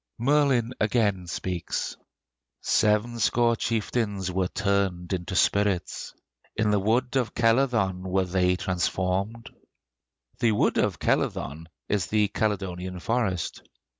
Merlin again speaks: "Sevenscore chieftains Were turned into spirits; In the wood of Celyddon Were they transformed. The wood of Celyddon is the Caledonian Forest.